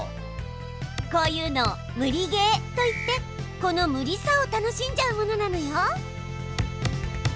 こういうのを無理ゲーといってこの無理さを楽しんじゃうものなのよ。